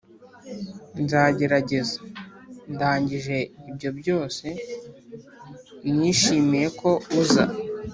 nzagerageza ] ndangije ibyo byose. ] nishimiye ko uza.